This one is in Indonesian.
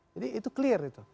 jadi itu clear itu